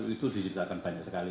itu diceritakan banyak sekali